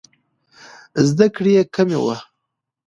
زده کړې یې کمه وه.